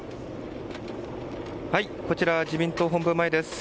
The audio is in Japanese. こちら自民党本部前です。